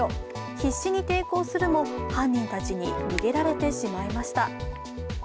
必死に抵抗するも、犯人たちに逃げられてしまいました。